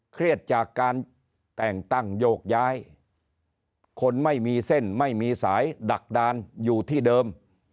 เครียดจากการแต่งตั้งโยกย้ายคนไม่มีเส้นไม่มีสายดักดานอยู่ที่เดิม